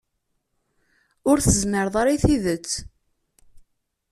Ur tezmireḍ ara i tidet.